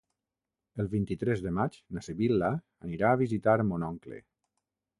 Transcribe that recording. El vint-i-tres de maig na Sibil·la anirà a visitar mon oncle.